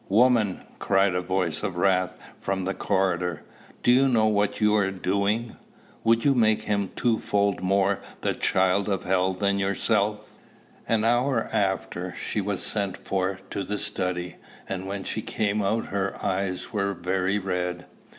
"Woman!" cried a voice of wrath from the corridor, "do you know what you are doing? Would you make him twofold more the child of hell than yourself?" An hour after, she was sent for to the study; and when she came out her eyes were very red.